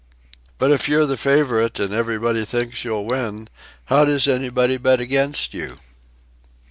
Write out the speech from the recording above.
"But if you're the favorite and everybody thinks you'll win, how does anybody bet against you?"